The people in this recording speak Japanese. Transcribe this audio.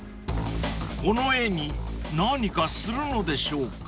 ［この絵に何かするのでしょうか？］